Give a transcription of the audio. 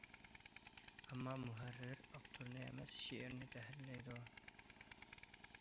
ئەمما مۇھەررىر ئاپتورنى ئەمەس، شېئىرنى تەھرىرلەيدۇ.